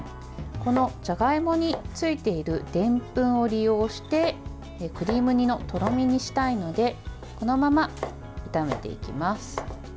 このじゃがいもについているでんぷんを利用してクリーム煮のとろみにしたいのでこのまま炒めていきます。